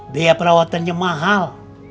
biaya perawatannya mahal